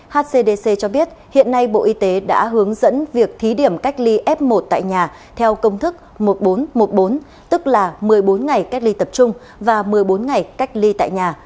hcdc cho biết hiện nay bộ y tế đã hướng dẫn việc thí điểm cách ly f một tại nhà theo công thức một nghìn bốn trăm một mươi bốn tức là một mươi bốn ngày cách ly tập trung và một mươi bốn ngày cách ly tại nhà